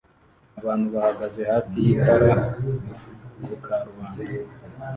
Abantu bahagaze hafi y'itara ku karubanda